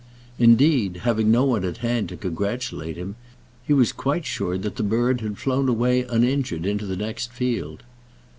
Indeed, having no one at hand to congratulate him, he was quite sure that the bird had flown away uninjured into the next field.